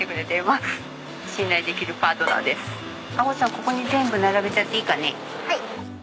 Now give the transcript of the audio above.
ここに全部並べちゃっていいかね？